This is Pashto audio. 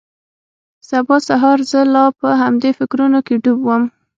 سبا سهار زه لا په همدې فکرونو کښې ډوب وم.